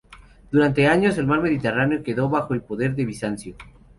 Durante años, el mar Mediterráneo quedó bajo el poder de Bizancio.